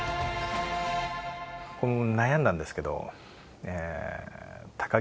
悩んだんですけど。